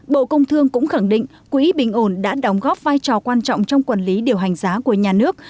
bộ công thương cũng khẳng định quỹ bình ổn đã đóng góp vai trò quan trọng trong quản lý điều hành giá của nhà nước